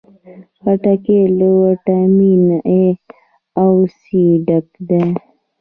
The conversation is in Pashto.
خټکی له ویټامین A او C ډکه ده.